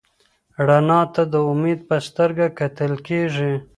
رڼا ته د امید په سترګه کتل کېږي.